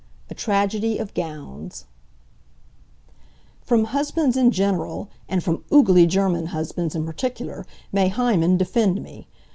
A TRAGEDY OF GOWNS From husbands in general, and from oogly German husbands in particular may Hymen defend me!